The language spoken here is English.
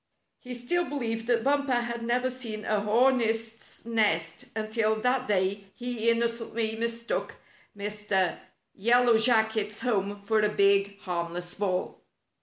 He still be lieved that Bumper had never seen a hornet's nest until that day he innocently mistook Mr. Yellow Jacket's home for a big, harmless ball.